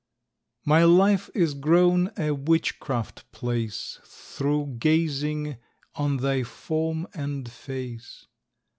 My life is grown a witchcraft place Through gazing on thy form and face.